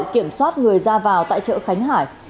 kiểm soát người ra vào tại chợ khánh hải